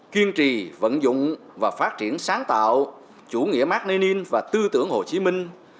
kiên trì vận dụng và phát triển sáng tạo chủ nghĩa mát nên in và tư tưởng hồ chí minh